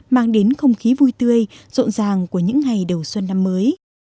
mang đến không khí vui tươi rộn ràng của những ngày đầu xuân năm mới